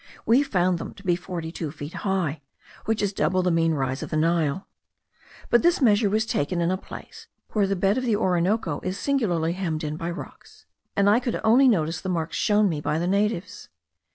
We found them to be forty two feet high, which is double the mean rise of the Nile. But this measure was taken in a place where the bed of the Orinoco is singularly hemmed in by rocks, and I could only notice the marks shown me by the natives.